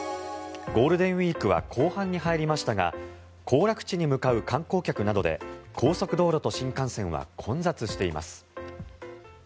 ゴールデンウィークは後半に入りましたが行楽地に向かう観光客などで高速道路と新幹線は混雑しています。